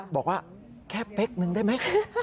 บอกว่าแค่เป๊กนึงได้ไหม